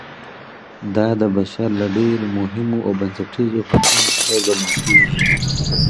دا د بشر له ډېرو مهمو او بنسټیزو حقونو څخه ګڼل کیږي.